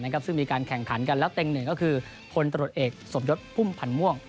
แล้วเตรียมหนึ่งก็คือพลตรวจเอกสมยดพุ่มพันม่วง